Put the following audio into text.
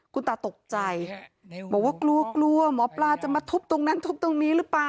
คุณตาตกใจบอกว่ากลัวกลัวหมอปลาจะมาทุบตรงนั้นทุบตรงนี้หรือเปล่า